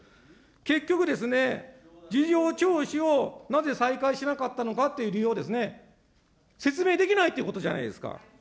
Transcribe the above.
結局ですね、事情聴取をなぜ再開しなかったのかという理由を、説明できないということじゃないですか。